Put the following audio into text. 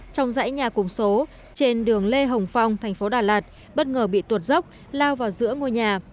trong dãy nhà cùng số trên đường lê hồng phong thành phố đà lạt bất ngờ bị tuột dốc lao vào giữa ngôi nhà